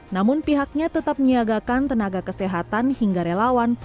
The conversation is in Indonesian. namun pihaknya tetap menyiagakan tenaga kesehatan hingga relawan